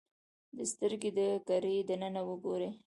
د سترګې د کرې دننه وګورئ.